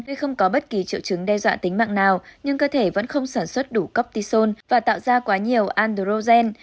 tuy không có bất kỳ triệu chứng đe dọa tính mạng nào nhưng cơ thể vẫn không sản xuất đủ coptisone và tạo ra quá nhiều androzen